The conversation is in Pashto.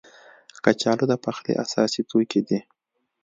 کچالو د پخلي اساسي توکي دي